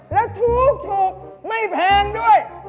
แล้วถูกไม่แพงด้วย